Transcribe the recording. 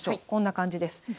こんな感じです。